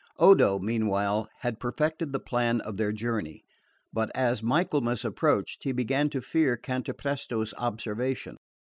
Odo, meanwhile, had perfected the plan of their journey; but as Michaelmas approached he began to fear Cantapresto's observation.